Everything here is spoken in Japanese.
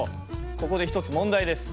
ここで１つ問題です。